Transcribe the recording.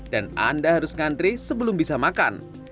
dan anda harus ngantri sebelum bisa makan